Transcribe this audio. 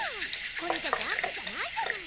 これじゃジャンプじゃないじゃない。